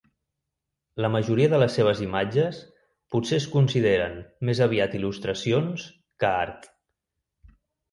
La majoria de les seves imatges potser es consideren més aviat il·lustracions que art.